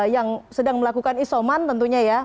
yang sedang melakukan isoman tentunya ya